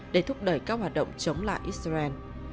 để thúc đẩy các hoạt động chống lại israel